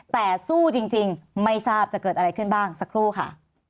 แต่สู้จริงไม่ทราบจะเกิดอะไรขึ้นบ้างสักครู่ค่ะ